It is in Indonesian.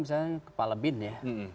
misalnya kepala bin ya